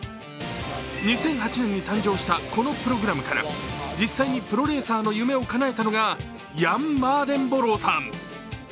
２００８年に誕生したこのプログラムから実際にプロレーサーの夢をかなえたのがヤン・マーデンボローさん。